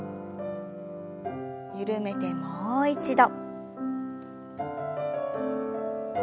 緩めてもう一度。